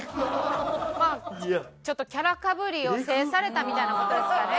まあちょっとキャラかぶりを制されたみたいな事ですかね？